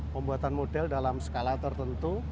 pembuatan model dalam skala tertentu